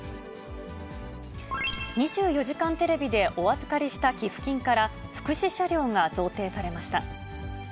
２４時間テレビでお預かりした寄付金から、福祉車両が贈呈されました。